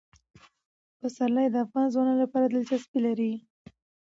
پسرلی د افغان ځوانانو لپاره دلچسپي لري.